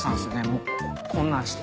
もうこんなんして。